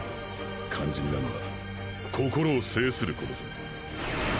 肝心なのは心を制する事さ。